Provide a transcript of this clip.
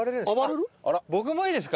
僕もいいですか？